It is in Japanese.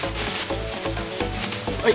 はい。